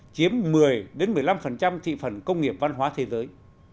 chiếm một mươi một mươi năm thị phần công nghiệp văn hóa thế giới